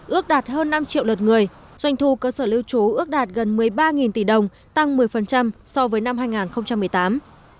ước đạt hơn năm triệu lượt người doanh thu cơ sở lưu trú ước đạt gần một mươi ba tỷ đồng tăng một mươi so với năm hai nghìn một mươi tám